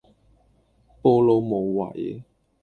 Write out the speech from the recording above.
暴露無遺